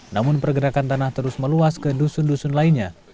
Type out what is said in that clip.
namun pergerakan tanah terus meluas ke dusun dusun lainnya